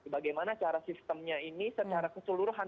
bagaimana cara sistemnya ini secara keseluruhan